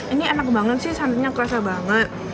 ini enak banget sih santannya kerasa banget